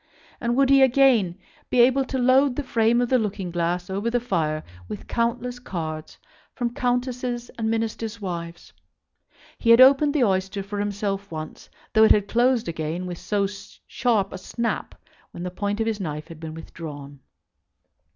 And would he again be able to load the frame of the looking glass over the fire with countless cards from Countesses and Ministers' wives? He had opened the oyster for himself once, though it had closed again with so sharp a snap when the point of his knife had been withdrawn.